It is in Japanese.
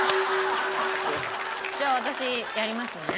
じゃあ私やりますね。